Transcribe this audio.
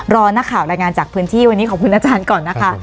รอนักข่าวรายงานจากพื้นที่วันนี้ขอบคุณอาจารย์ก่อนนะคะ